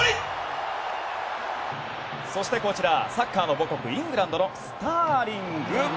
そして、こちらサッカーの母国イングランドのスターリング。